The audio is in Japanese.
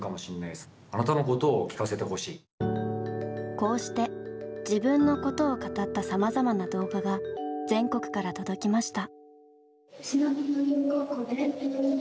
こうして「自分のこと」を語ったさまざまな動画が全国から届きました。